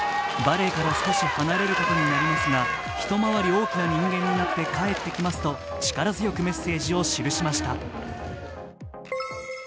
バレーから少し離れることになりますが、一回り大きな人間になって帰ってきますと力強くメッセージを記しました。